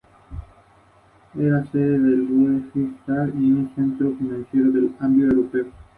La especie más común es el armadillo de nueve bandas.